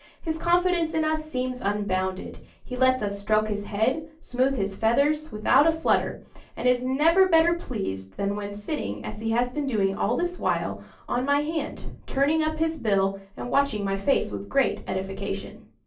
His confidence in us seems unbounded: he lets us stroke his head, smooth his feathers, without a flutter; and is never better pleased than when sitting, as he has been doing all this while, on my hand, turning up his bill, and watching my face with great edification.